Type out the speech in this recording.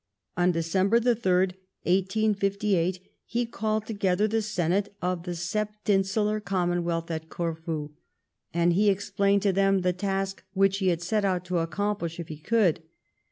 On December the third, 1858, he called together the Senate of the Septinsular Commonwealth at Corfu, and he explained to them the task which he had set out to accomplish if he could.